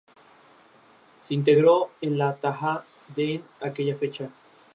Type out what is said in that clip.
El Banco Anglo-Irish fue expuesto a la burbuja inmobiliaria irlandesa.